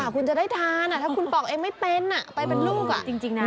คุณจะได้ทานอ่ะถ้าคุณปอกไม่เป็นอ่ะไปเป็นลูกอ่ะจริงจริงน่ะ